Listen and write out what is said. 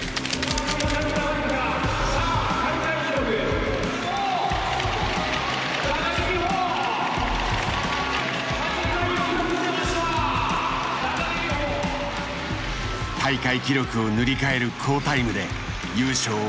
大会記録を塗り替える好タイムで優勝を飾ったのだ。